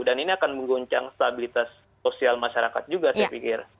dan ini akan mengguncang stabilitas sosial masyarakat juga saya pikir